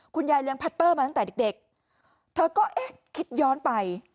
คุณยายเลี้ยงพัตเตอร์มาตั้งแต่เด็กเธอก็คิดย้อนไป